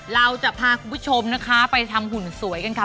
เราจะพาคุณผู้ชมนะคะไปทำหุ่นสวยกันค่ะ